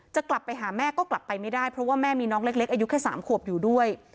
จะกลับไปหาแม่ก็กลับไปไม่ได้เพราะว่าแม่มีน้องเล็กอายุแค่๓ขวบอยู่ด้วย